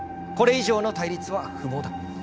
これ以上の対立は不毛だ。